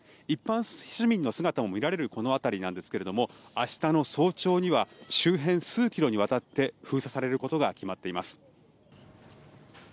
一般市民の姿も見られるこの辺りなんですが明日の早朝には周辺数キロにわたって封鎖されることが決まっています。